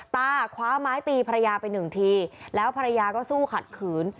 คว้าไม้ตีภรรยาไปหนึ่งทีแล้วภรรยาก็สู้ขัดขืน